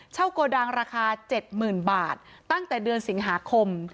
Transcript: เช่ากโกดังราคา๗หมื่นบาทตั้งแต่เดือนสิงหาคม